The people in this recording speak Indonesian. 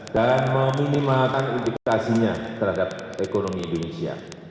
dan meminimalkan implikasinya terhadap ekonomi indonesia